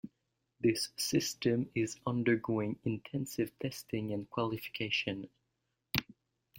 This system is undergoing intensive testing and qualification.